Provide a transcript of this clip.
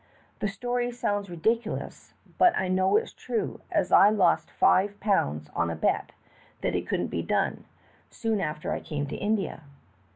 The story sounds ridieulous, but I know it's true as I lost five pounds on a bet that it eouldn't be done, soon after I eame to India.